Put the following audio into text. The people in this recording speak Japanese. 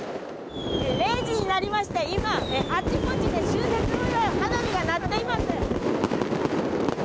０時になりまして、今、あちこちで春節を祝う花火が鳴っています。